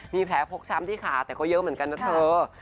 มีแผลฟกช้ำที่ขาแต่ก็เยอะเหมือนกันนะเธอ